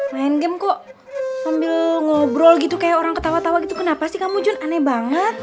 main game kok sambil ngobrol gitu kayak orang ketawa tawa gitu kenapa sih kamu john aneh banget